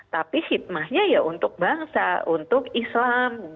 tapi hikmahnya ya untuk bangsa untuk islam